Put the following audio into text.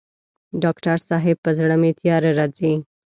ډاکټر صاحب په زړه مي تیاره راځي